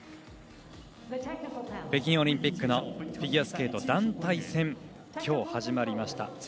北京オリンピックのフィギュアスケート団体戦、きょう始まりました。